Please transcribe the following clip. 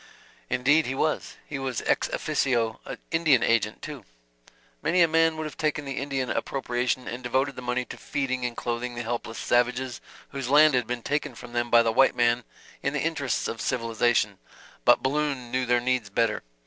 "Indeed he was. He was ex officio Indian agent, too. Many a man would have taken the Indian appropriation and devoted the money to feeding and clothing the helpless savages, whose land had been taken from them by the white man in the interests of civilization; but Balloon knew their needs better.